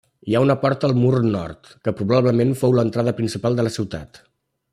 Hi ha una porta al mur nord, que probablement fou l'entrada principal de la ciutat.